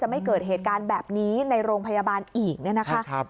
จะไม่เกิดเหตุการณ์แบบนี้ในโรงพยาบาลอีก